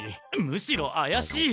むしろあやしい！